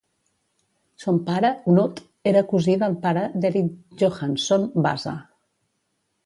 Son pare, Knut, era cosí del pare d'Erik Johansson Vasa.